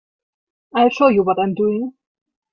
I'll show you what I'm doing.